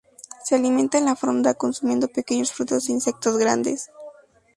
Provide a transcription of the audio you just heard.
Se alimenta en la fronda, consumiendo pequeños frutos e insectos grandes.